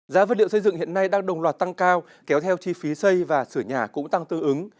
giá vật liệu xây dựng hiện nay đang đồng loạt tăng cao kéo theo chi phí xây và sửa nhà cũng tăng tư ứng